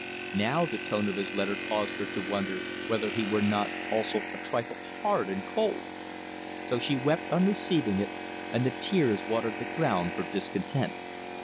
Now the tone of his letter caused her to wonder whether he were not also a trifle hard and cold. So she wept on receiving it, and the tears watered the ground for discontent.